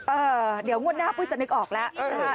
เอ่อเดี๋ยวงวดหน้าพูดจะนึกออกแล้ว